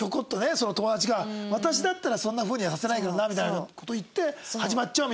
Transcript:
その友達が「私だったらそんなふうにはさせないけどな」みたいな事言って。